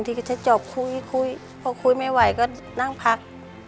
ก็จะจบคุยพอคุยไม่ไหวก็นั่งพัก